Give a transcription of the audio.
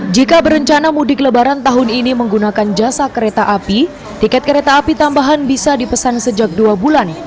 jika berencana mudik lebaran tahun ini menggunakan jasa kereta api tiket kereta api tambahan bisa dipesan sejak dua bulan